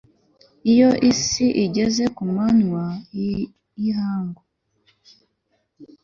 iyo isi igeze ku manywa y'ihangu